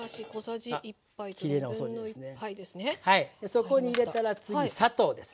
そこに入れたら次砂糖です。